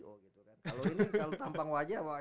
kalau ini kalau tampang wajah